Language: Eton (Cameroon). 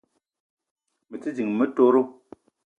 Me te ding motoro